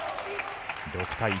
６対１。